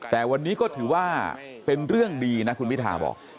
แต่วันนี้ก็ถือว่าเป็นเรื่องดีนะคุณพิทาบอก